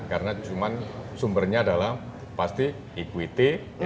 karena cuman sumbernya adalah pasti equity